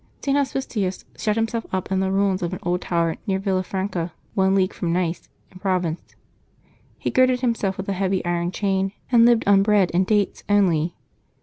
|T. HospiTius shut himself up in the ruins of an old tower near Villafranca, one league from Nice in Pro vence. He girded himself with a heavy iron chain and lived on bread and dates only.